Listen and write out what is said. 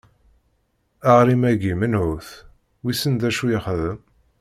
Aɣrim-agi menhut? Wissen d acu yexdem?